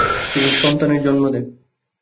তিনি সন্তানের জন্ম দেন।